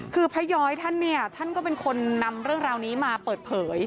คือพระย้อยท่านเนี่ยท่านก็เป็นคนนำเรื่องราวนี้มาเปิดเผย